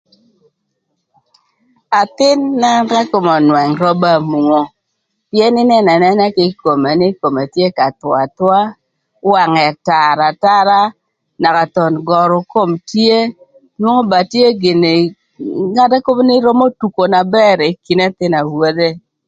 Athïn na kome önwëng ro ba mungo, pïën ïnënö anëna kï ï kome nï kome tye ka thwö athwöa, wangë tar atara naka thon görü kom tye, inwongo ba tye gïnï na ba römö tuko na bër ï kin ëthïnö ewodhe.